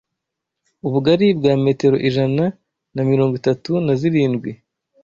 ubugari bwa metero ijana na mirongo itatu nazirindwi